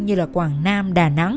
như là quảng nam đà nẵng